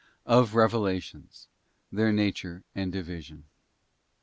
Of Revelations: their nature and division.